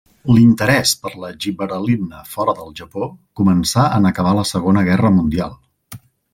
L'interès per la gibberel·lina fora del Japó començà en acabar la Segona Guerra Mundial.